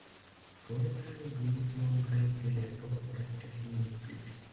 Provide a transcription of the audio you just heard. Formell blieben beide jedoch weiterhin Mitglied.